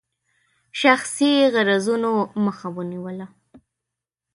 شخصي غرضونو مخه ونیوله.